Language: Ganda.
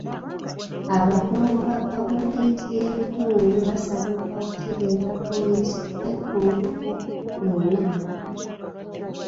Abakungu ba gavumenti y'ebitundu basabibwa okutegeeza poliisi ku keekugungo konna.